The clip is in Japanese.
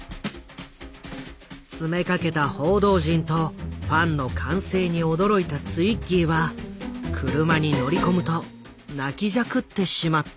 詰めかけた報道陣とファンの歓声に驚いたツイッギーは車に乗り込むと泣きじゃくってしまった。